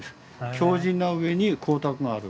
強じんな上に光沢がある。